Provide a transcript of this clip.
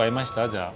じゃあ。